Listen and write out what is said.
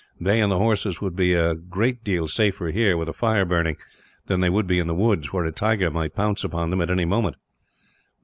They and the horses would be a great deal safer here, with a fire burning; than they would be in the woods, where a tiger might pounce upon them, at any moment.